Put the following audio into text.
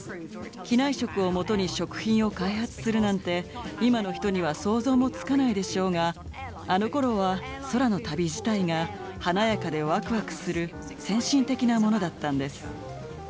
機内食をもとに食品を開発するなんて今の人には想像もつかないでしょうがあのころは空の旅自体が華やかでワクワクする先進的なものだったんです。